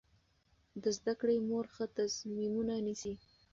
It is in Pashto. د زده کړې مور ښه تصمیمونه نیسي.